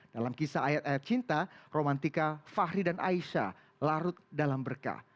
dalam kisah ayat ayat cinta romantika fahri dan aisyah larut dalam berkah